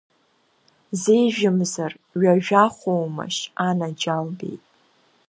Зеижәымзар ҩажәахоумашь, анаџьалбеит?!